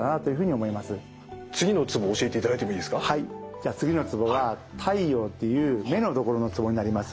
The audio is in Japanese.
じゃあ次のツボは太陽っていう目のところのツボになります。